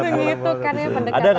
gitu kan ya pendekatannya